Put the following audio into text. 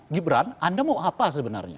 gibran anda mau apa sebenarnya